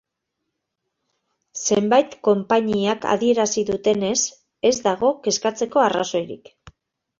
Zenbait konpainiak adierazi dutenez, ez dago kezkatzeko arrazoirik.